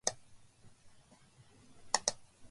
埼玉県三芳町